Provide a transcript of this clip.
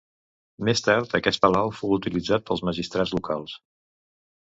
Més tard aquest palau fou utilitzat pels magistrats locals.